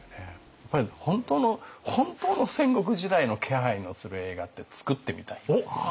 やっぱり本当の本当の戦国時代の気配のする映画って作ってみたいですよね。